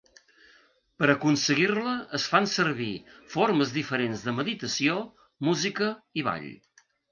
Per aconseguir-la es fan servir formes diferents de meditació, música i ball.